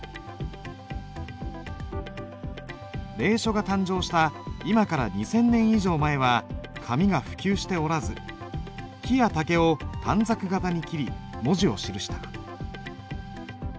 隷書が誕生した今から２，０００年以上前は紙が普及しておらず木や竹を短冊形に切り文字を記した。